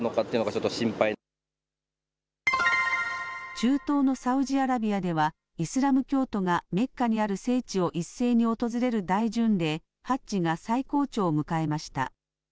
中東のサウジアラビアでは、イスラム教徒がメッカにある聖地を一斉に訪れる大巡礼、ハッジが最高潮を迎えました。